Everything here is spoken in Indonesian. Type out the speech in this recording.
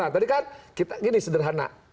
tadi kan kita gini sederhana